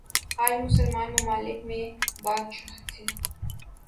آج مسلمان ممالک میںبادشاہت ہے۔